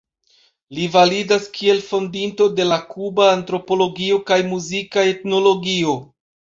Li validas kiel fondinto de la kuba antropologio kaj muzika etnologio.